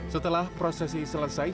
setelah prosesi selesai